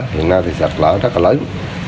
hiện nay thì sạt lở rất là lớn